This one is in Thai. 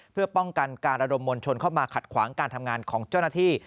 เพื่อป้องกันการระดมมวลชนเข้ามาขัดขวางการทำงานของเจ้าหน้าที่